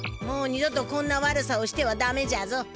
もう二度とこんな悪さをしてはダメじゃぞ。